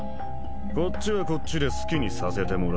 こっちはこっちで好きにさせてもらうぜ。